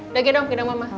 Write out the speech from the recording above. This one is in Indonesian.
udah gedong gedong mama